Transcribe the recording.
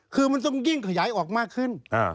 คือมันต้องยิ่งขยายออกมาขึ้น